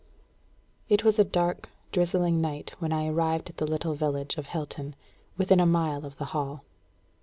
_ It was a dark, drizzling night when I arrived at the little village of Hilton, within a mile of the Hall.